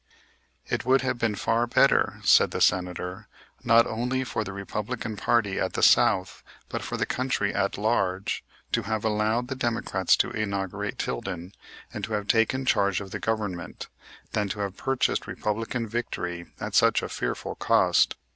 "It would have been far better," said the Senator, "not only for the Republican party at the South but for the country at large, to have allowed the Democrats to inaugurate Tilden, and to have taken charge of the Government, than to have purchased Republican victory at such a fearful cost.